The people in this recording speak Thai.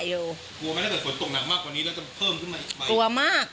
กลัวไหมถ้าเกิดฝนตกหนักมากกว่านี้แล้วจะเพิ่มขึ้นมาอีกกลัวมาก